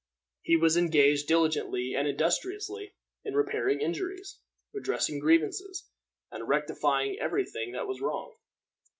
He was engaged diligently and industriously in repairing injuries, redressing grievances, and rectifying every thing that was wrong.